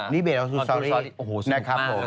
นี่เบตโอ้โหสนุกมาก